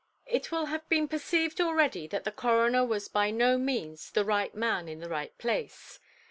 It will have been perceived already that the coroner was by no means "the right man in the right place".